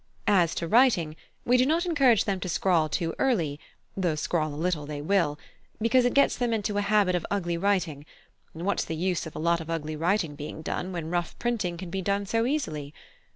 As to writing, we do not encourage them to scrawl too early (though scrawl a little they will), because it gets them into a habit of ugly writing; and what's the use of a lot of ugly writing being done, when rough printing can be done so easily.